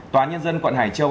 tòa nhân dân quận hải châu